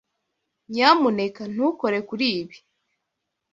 Nyamuneka ntukore kuri ibi.